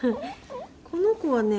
この子はね